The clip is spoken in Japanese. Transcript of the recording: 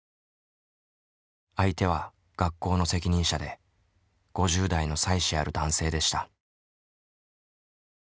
相手は学校の責任者で５０代の妻子ある男性でした。